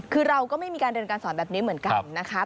คือเราก็ไม่มีการเรียนการสอนแบบนี้เหมือนกันนะคะ